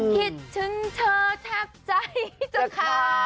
คิดถึงเธอแทบใจจักร